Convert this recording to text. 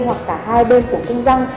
hoặc cả hai bên của cung răng